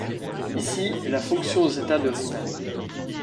Ici, est la fonction zêta de Riemann.